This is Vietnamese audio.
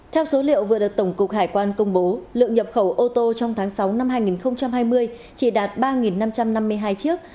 theo số liệu vừa được tổng cục hải quan công bố lượng nhập khẩu ô tô trong tháng sáu năm hai nghìn hai mươi chỉ đạt ba năm trăm năm mươi hai chiếc